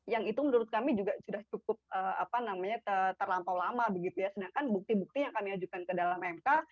yang itu menurut kami juga sudah cukup terlampau lama sedangkan bukti bukti yang kami ajukan ke dalam mk